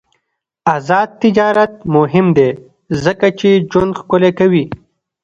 آزاد تجارت مهم دی ځکه چې ژوند ښکلی کوي.